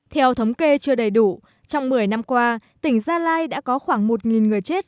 theo thống kê chưa đầy đủ trong một mươi năm qua tỉnh gia lai đã có khoảng một người chết